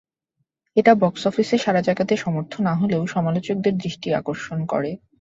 এটা বক্স অফিসে সাড়া জাগাতে সমর্থ না হলেও সমালোচকদের দৃষ্টি আকর্ষণ করে।